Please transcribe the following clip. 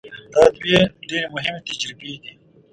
دا دوه ډېرې مهمې تجربې دي.